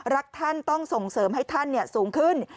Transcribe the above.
รักท่านต้องส่งเสริมให้ท่านสูงขึ้น